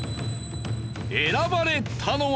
選ばれたのは。